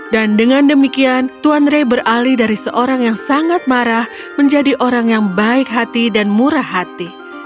dan dengan demikian tuan ray beralih dari seorang yang sangat marah menjadi orang yang baik hati dan murah hati